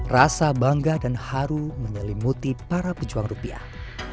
rasa bangga dan haru menyelimuti para pejuang rupiah